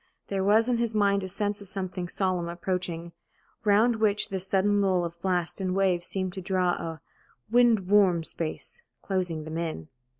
There was in his mind a sense of something solemn approaching, round which this sudden lull of blast and wave seemed to draw a "wind warm space," closing them in.